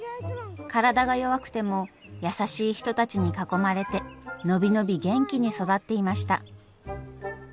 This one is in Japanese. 体が弱くても優しい人たちに囲まれて伸び伸び元気に育っていました。